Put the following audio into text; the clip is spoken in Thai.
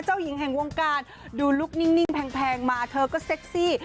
เจ้าหญิงแห่งวงการดูลุคนิ่งแพงมาเธอก็เซ็กซี่